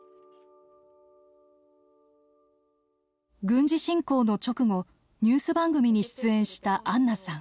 軍事侵攻の直後ニュース番組に出演したアンナさん。